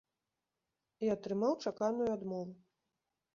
І атрымаў чаканую адмову.